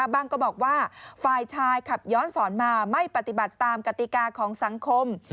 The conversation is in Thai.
ก็บอกว่าฝ่ายชายขับย้อนสอนมาไม่ปฏิบัติตามกติกาของสังคม